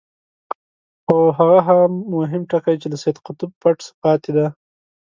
خو هغه مهم ټکی چې له سید قطب پټ پاتې دی.